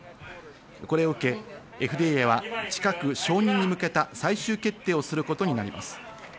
これを受けＦＤＡは近く承認に向けた最終決定をすることになります。